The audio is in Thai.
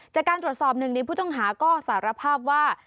จากการตรวจสอบหนึ่งในผู้ต้องหาก็สารภาพว่า